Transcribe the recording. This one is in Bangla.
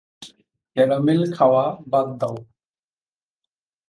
ক্যারামেল খাওয়া বাদ দাও।